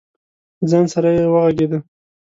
له ځان سره یې وغږېده.